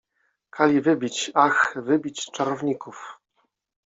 — Kali wybić, ach, wybić czarowników!